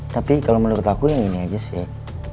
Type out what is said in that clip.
tapi kalau menurut aku yang ini aja sih